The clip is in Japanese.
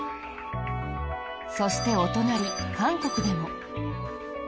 そしてお隣、韓国でも。